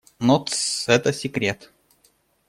Но... Тссс! - это секрет!